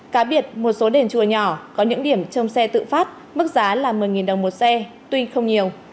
cá biệt một số đền chùa nhỏ có những điểm trong xe tự phát mức giá là một mươi đồng một xe tuy không nhiều